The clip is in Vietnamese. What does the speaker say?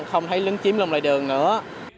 không thấy lứng chiếm lông lại đường nữa